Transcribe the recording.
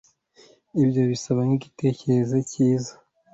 ibyo bisa nkigitekerezo cyiza